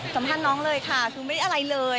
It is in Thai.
สัมภาษณ์น้องเลยค่ะคือไม่ได้อะไรเลย